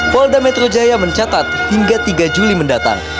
polda metro jaya mencatat hingga tiga juli mendatang